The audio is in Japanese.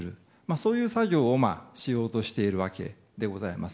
そういう作業をしようとしているわけでございます。